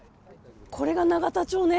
これが永田町ね！